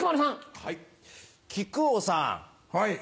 木久扇さん